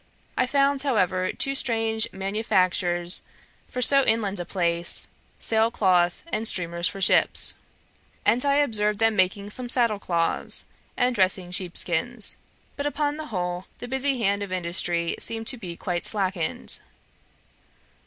I found however two strange manufactures for so inland a place, sail cloth and streamers for ships; and I observed them making some saddle cloths, and dressing sheepskins: but upon the whole, the busy hand of industry seemed to be quite slackened.